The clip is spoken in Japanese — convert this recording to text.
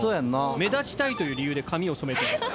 目立ちたいという理由で髪を染めてる。